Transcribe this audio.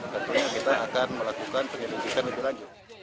tentunya kita akan melakukan penyelidikan lagi